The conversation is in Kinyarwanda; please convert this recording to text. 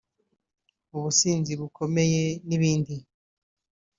ubusinzi bukomeye n’ibindi